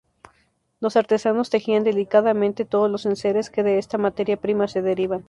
Los artesanos tejían delicadamente todos los enseres que de esta materia prima se derivan.